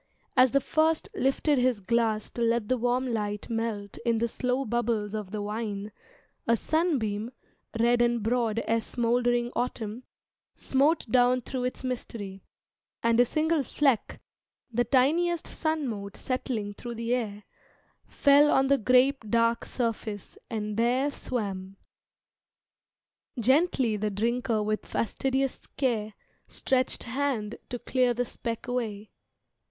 As the first Lifted his glass to let the warm light melt In the slow bubbles of the wine, a sunbeam, Red and broad as smouldering autumn, smote Down through its mystery; and a single fleck, The tiniest sun mote settling through the air, Fell on the grape dark surface and there swam. Gently the Drinker with fastidious care Stretched hand to clear the speck away.